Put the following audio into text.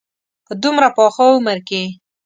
په دومره پاخه عمر کې.